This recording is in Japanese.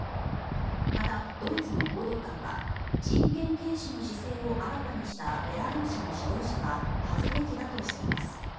また、ドイツの報道官は人権軽視の姿勢をあらわにしたベラルーシの指導者は恥ずべきだとしています。